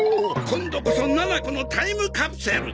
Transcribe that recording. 今度こそななこのタイムカプセル。